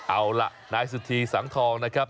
เอาล่ะนายสุธีสังทองนะครับ